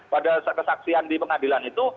pada kesaksian di pengadilan itu